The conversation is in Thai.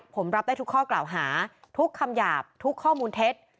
ผมรับได้ทุกข้อกล่าวหาทุกคำหยาบทุกข้อมูลเท็จ